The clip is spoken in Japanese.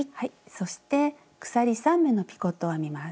そして鎖３目のピコットを編みます。